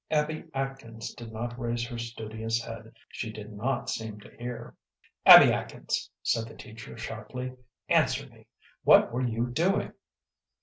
Abby Atkins did not raise her studious head. She did not seem to hear. "Abby Atkins," said the teacher, sharply, "answer me. What were you doing?"